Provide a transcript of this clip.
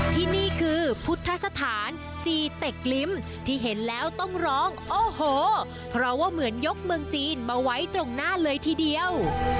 ที่นี่คือพุทธสถานจีเต็กลิ้มที่เห็นแล้วต้องร้องโอ้โหเพราะว่าเหมือนยกเมืองจีนมาไว้ตรงหน้าเลยทีเดียว